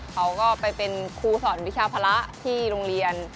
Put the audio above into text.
เขาก็ไปเป็นครูสอนวิชาภาระที่โรงเรียน